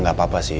gak apa apa sih